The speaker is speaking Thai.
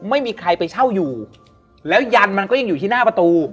ไม่มีใครไปเช่าอยู่แล้วยันมันก็ยังอยู่ที่หน้าประตู